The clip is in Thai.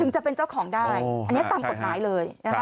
จะเป็นเจ้าของได้อันนี้ตามกฎหมายเลยนะคะ